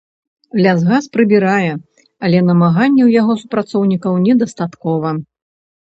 Лясгас прыбірае, але намаганняў яго супрацоўнікаў недастаткова.